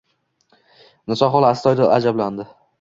Niso xola astoydil ajablandi.